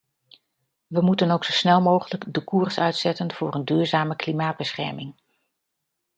We moeten ook zo snel mogelijk de koers uitzetten voor een duurzame klimaatbescherming.